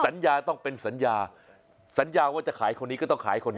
สัญญาต้องเป็นสัญญาสัญญาว่าจะขายคนนี้ก็ต้องขายคนนี้